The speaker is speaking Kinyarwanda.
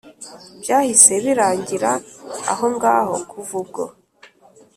Byahise birangira ahongaho kuva ubwo